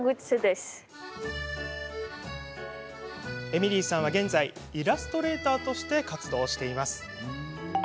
エミリーさんは現在イラストレーターとして活動しています。